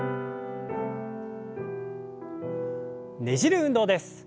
ねじる運動です。